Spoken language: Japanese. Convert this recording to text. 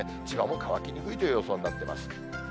千葉も乾きにくいという予想になってます。